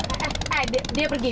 eh dia pergi dia pergi